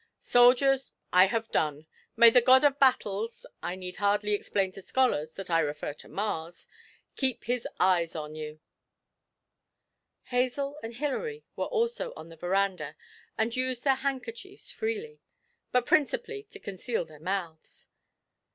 Soldiers, I have done. May the God of Battles (I need hardly explain to scholars that I refer to Mars) keep his eye on you!' Hazel and Hilary were also on the verandah, and used their handkerchiefs freely but principally to conceal their mouths.